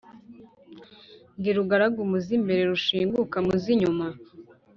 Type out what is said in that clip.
ndi rugaragara mu z'imbere, rushinguka mu z'inyuma,